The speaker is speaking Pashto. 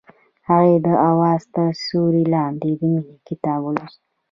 هغې د اواز تر سیوري لاندې د مینې کتاب ولوست.